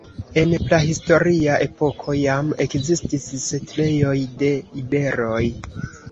En prahistoria epoko jam ekzistis setlejoj de iberoj.